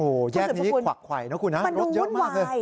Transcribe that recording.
โอ้โหแยกนี้ขวักไขวนะคุณฮะรถเยอะมากเลย